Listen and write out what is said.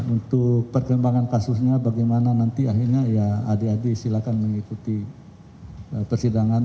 untuk perkembangan kasusnya bagaimana nanti akhirnya ya adik adik silakan mengikuti persidangan